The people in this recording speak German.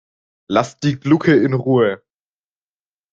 Lass die Glucke in Ruhe!